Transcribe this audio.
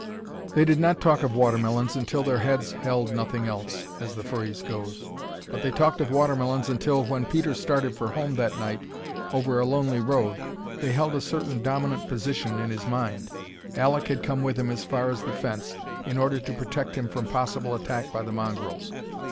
They did not talk of watermelons until their heads held nothing else, as the phrase goes. But they talked of watermelons until, when Peter started for home that night over a lonely road, they held a certain dominant position in his mind. Alek had come with him as far as the fence, in order to protect him from a possible attack by the mongrels.